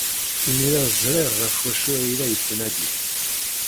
Imir-a ẓriɣ ɣef wacu ay la yettnadi.